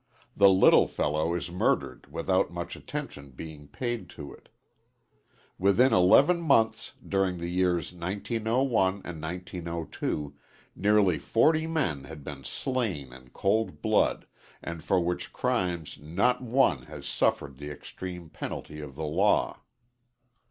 The "little fellow" is murdered without much attention being paid to it. Within eleven months during the years 1901 and 1902, nearly forty men had been slain in cold blood, and for which crimes not one has suffered the extreme penalty of the law.